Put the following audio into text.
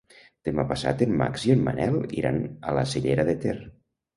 Demà passat en Max i en Manel iran a la Cellera de Ter.